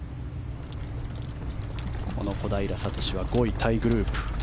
この小平智は５位タイグループ。